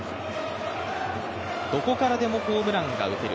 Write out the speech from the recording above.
どこからでもホームランが打てる。